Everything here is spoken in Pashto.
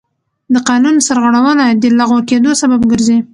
د قانون سرغړونه د لغوه کېدو سبب ګرځي.